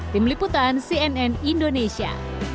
tim liputan cnn indonesia